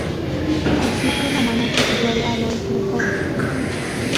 El circo romano se situaría al oeste del foro.